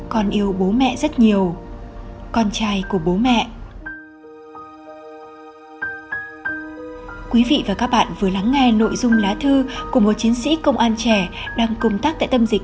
con yêu bố mẹ rất nhiều con trai của bố mẹ